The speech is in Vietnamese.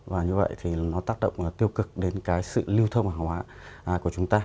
và như vậy thì nó tác động tiêu cực đến cái sự lưu thông hàng hóa của chúng ta